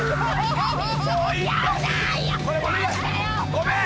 ごめん！